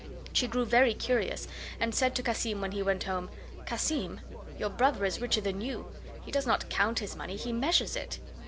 She grew very curious, and said to Cassim when he came home: "Cassim, your brother is richer than you. He does not count his money, he measures it."